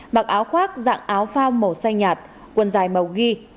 mặc áo khoác dạng áo phao màu xanh nhạt quần dài màu ghi